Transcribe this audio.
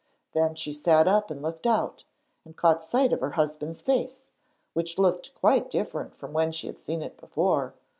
Then she sat up and looked out, and caught sight of her husband's face, which looked quite different from when she had seen it before.